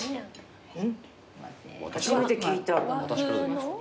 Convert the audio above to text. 初めて聞いた。